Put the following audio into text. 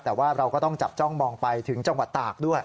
แต่ว่าเราก็ต้องจับจ้องมองไปถึงจังหวัดตากด้วย